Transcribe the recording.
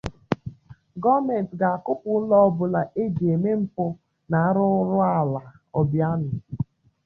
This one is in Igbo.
Gọọmenti Ga-Akụkpọ Ụlọ Ọbụla E Ji Eme Mpụ Na Arụrụala -- Obianọ